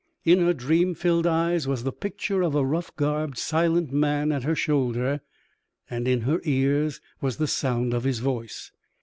In her dream filled eyes was the picture of a rough garbed, silent man at her shoulder, and in her ears was the sound of his voice.